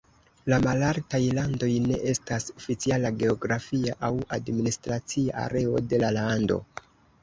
La Malaltaj Landoj ne estas oficiala geografia aŭ administracia areo de la lando.